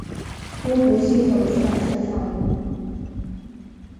孤独星球出版社创立。